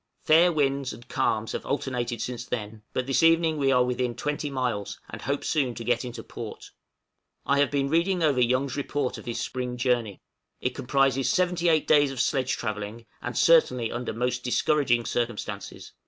Fair winds and calms have alternated since then, but this evening we are within 20 miles, and hope soon to get into port. I have been reading over Young's report of his spring journey. It comprises seventy eight days of sledge travelling, and certainly under most discouraging circumstances.